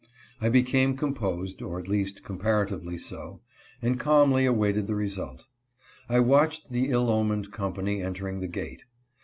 I became composed, or at least com paratively so, and calmly awaited the result. I watched the ill omened company entering the gate.